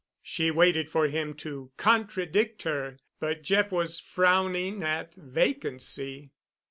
She waited for him to contradict her, but Jeff was frowning at vacancy.